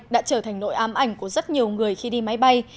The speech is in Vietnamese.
đã trở thành nội ám ảnh của rất nhiều người khi đi máy bay